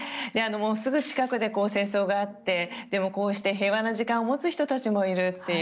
すぐ近くで戦争があってこうして平和な時間を過ごす人たちもいるという。